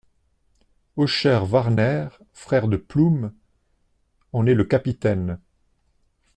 Aucher Warner, frère de Plum, en est le capitaine.